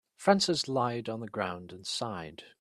Francis lied on the ground and sighed.